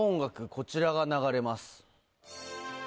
こちらが流れます。